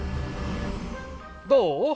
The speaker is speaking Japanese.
どう？